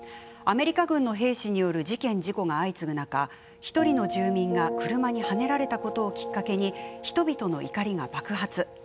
アメリカ軍の兵士による事件、事故が相次ぐ中１人の住民が、車にはねられたことをきっかけに人々の怒りが爆発。